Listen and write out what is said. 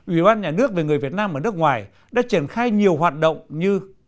ủy ban nhà nước về người việt nam ở nước ngoài đã triển khai nhiều hoạt động như